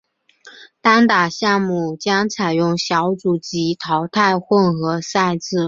单打项目将采用小组及淘汰混合赛制。